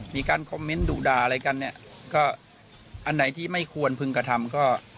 มีการคอมเมนต์ดุดาอะไรกันเนี่ยก็อันไหนที่ไม่ควรพึงกระทำก็